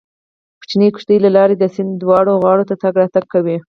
کوچنۍ کښتۍ له لارې د سیند دواړو غاړو ته تګ راتګ کوي